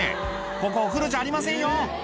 ここ、お風呂じゃありませんよ。